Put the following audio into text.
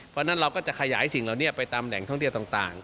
เพราะฉะนั้นเราก็จะขยายสิ่งเหล่านี้ไปตามแหล่งท่องเที่ยวต่าง